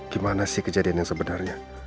gimana sih kejadian yang sebenarnya